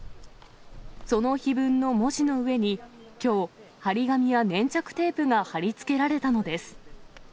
その碑文の文字の上にきょう、貼り紙や粘着テープが貼り付けられたのです。